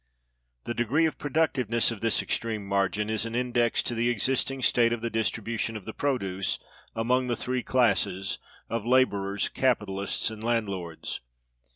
The degree of productiveness of this extreme margin is an index to the existing state of the distribution of the produce among the three classes, of laborers, capitalists, and landlords.